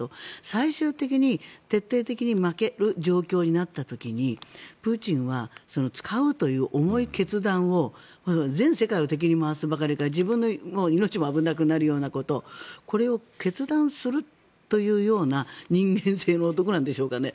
最終的に徹底的に負ける状況になった時にプーチンは使うという重い決断を全世界を敵に回すばかりか自分の命も危なくなるようなことをこれを決断するというような人間性の男なんでしょうかね？